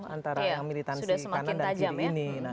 antara militansi kanan dan kiri ini